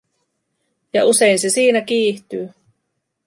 Ja usein se siinä kiihtyy.